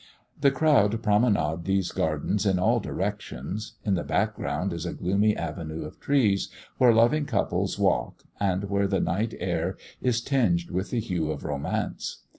The crowd promenade these gardens in all directions. In the background is a gloomy avenue of trees, where loving couples walk, and where the night air is tinged with the hue of romance.